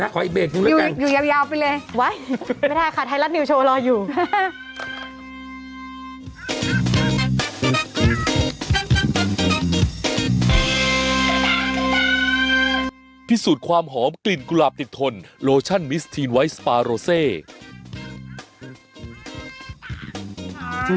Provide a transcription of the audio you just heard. อ่าค่ะอยู่ยาวไปเลยไว้ไม่ได้ค่ะไทลัทนิวโชว์รออยู่